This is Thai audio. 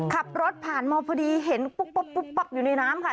ขับรถผ่านมาพอดีเห็นปุ๊บปั๊บอยู่ในน้ำค่ะ